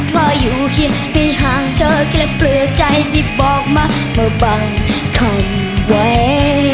ก็อยู่ที่ไม่ห่างเธอแค่และเปลือกใจที่บอกมามาบางคำไว้